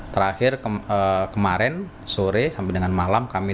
terakhir kemarin sore sampai dengan minggu ini